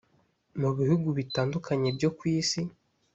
Mu bihugu bitandukanye byo ku isi